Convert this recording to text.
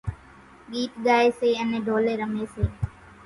ڳيت ڳائيَ سي انين ڍولين رميَ سي۔